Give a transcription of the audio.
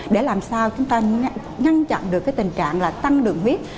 để làm sao chúng ta ngăn chặn được cái tình trạng là tăng đường huyết